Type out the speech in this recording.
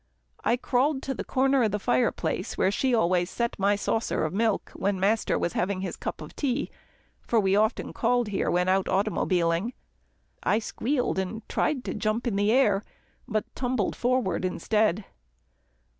I crawled to the corner of the fireplace where she always set my saucer of milk, when master was having his cup of tea, for we often called here when out automobiling. I squealed and tried to jump in the air, but tumbled forward instead.